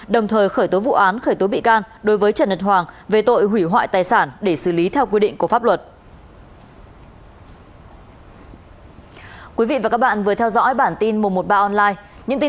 đồng thời khởi tố vụ án khởi tố bị can đối với trần nhật hoàng về tội hủy hoại tài sản để xử lý theo quy định của pháp luật